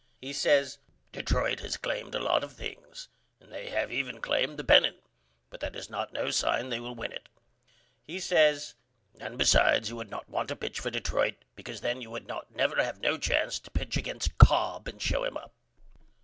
He says Detroit has claimed a lot of things and they have even claimed the pennant but that is not no sign they will win it. He says And besides you would not want to pitch for Detroit because then you would not never have no chance to pitch against Cobb and show him up.